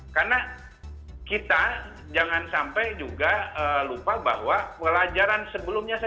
karena kita jangan sampai juga lupa bahwa pelajaran sebelumnya saya